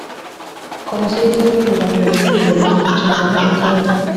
Komisiyo y Igihugu yo Kurwanya Jenoside ifite inshingano icyenda